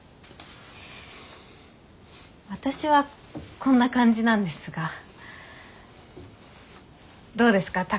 私はこんな感じなんですがどうですか？